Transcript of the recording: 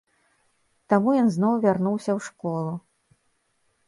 Таму ён зноў вярнуўся ў школу.